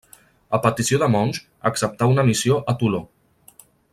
A petició de Monge acceptà una missió a Toló.